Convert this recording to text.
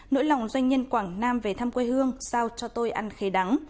nỗi lòng doanh nhân quảng nam về thăm quê hương sao cho tôi ăn khê đắng